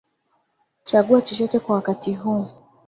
Chagua chochote kwa wakati huu